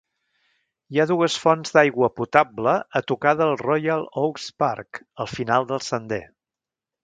Hi ha dues fonts d"aigua potable a tocar del Royal Oaks Park, al final del sender.